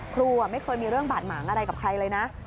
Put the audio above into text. ครูไม่เคยมีเรื่องบาดหมางอะไรกับใครเลยนะ